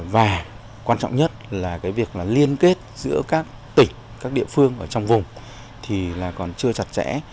và quan trọng nhất là việc liên kết giữa các tỉnh các địa phương trong vùng còn chưa chặt chẽ